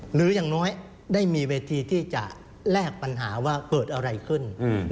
หรืออย่างน้อยได้มีเวทีที่จะแลกปัญหาว่าเกิดอะไรขึ้น